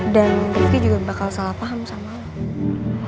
dan rifki juga bakal salah paham sama lo